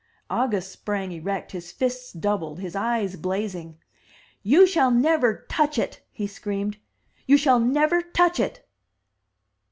August sprang erect, his fists doubled, his eyes blazing. "You shall never touch it!" he screamed; "you shall never touch it!"